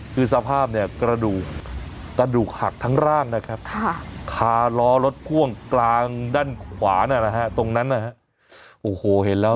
คือสภาพเนี่ยกระดูกกระดูกหักทั้งร่างนะครับคาล้อรถพ่วงกลางด้านขวานะฮะตรงนั้นนะฮะโอ้โหเห็นแล้ว